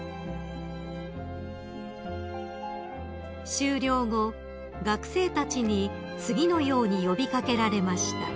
［終了後学生たちに次のように呼び掛けられました］